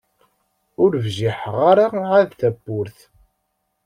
Ur bjiḥeɣ ara ɛad tawwurt.